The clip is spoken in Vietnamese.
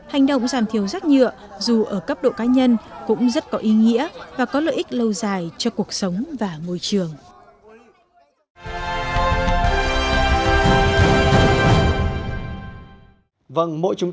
hành động giảm thiếu rác nhựa dù ở cấp độ cá nhân cũng rất có ý nghĩa và có lợi ích lâu dài cho cuộc sống và môi trường